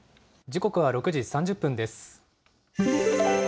時刻は６時３０分です。